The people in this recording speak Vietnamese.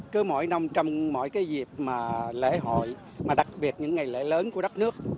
cứ mỗi năm trong mỗi cái dịp mà lễ hội mà đặc biệt những ngày lễ lớn của đất nước